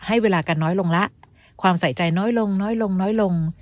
เวลากันน้อยลงละความใส่ใจน้อยลงน้อยลงน้อยลง